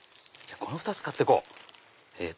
この２つ買ってこう。